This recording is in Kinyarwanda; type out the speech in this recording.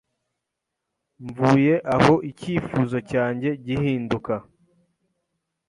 Mvuye aho icyifuzo cyanjye gihinduka